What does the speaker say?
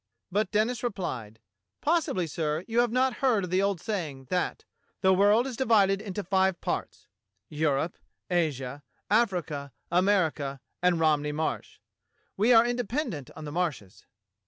But Denis replied: "Possibly, sir, you have not heard of the old saying, that *The world is divided into five parts — Europe, Asia, Africa, America, and Romney Marsh.' We are independent on the Marshes."